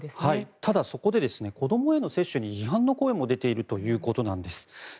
ただ、そこで子どもへの接種に批判の声も出ているということのようです。